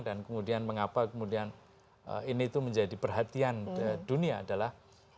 dan kemudian mengapa kemudian ini menjadi perhatian dunia adalah